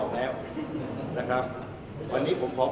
มันเป็นสิ่งที่เราไม่รู้สึกว่า